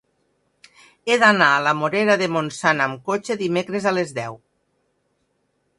He d'anar a la Morera de Montsant amb cotxe dimecres a les deu.